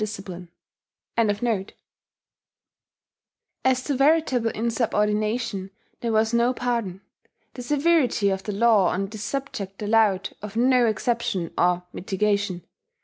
88).* As to veritable insubordination there was no pardon: the severity of the law on this subject allowed of no exception or mitigation.